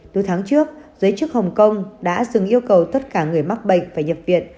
từ tháng trước giới chức hồng kông đã dừng yêu cầu tất cả người mắc bệnh phải nhập viện